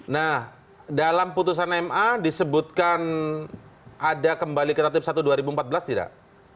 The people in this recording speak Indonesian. nah dalam putusan ma disebutkan ada kembali ke tertib satu dua ribu empat belas tidak